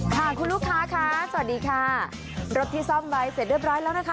ค่ะคุณลูกค้าค่ะสวัสดีค่ะรถที่ซ่อมไว้เสร็จเรียบร้อยแล้วนะคะ